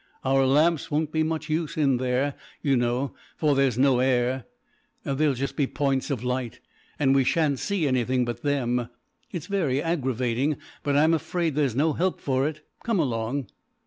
Our lamps won't be much use in there, you know, for there's no air. They'll just be points of light, and we shan't see anything but them. It's very aggravating, but I'm afraid there's no help for it. Come along."